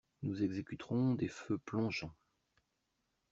Nous exécuterons des feux plongeants.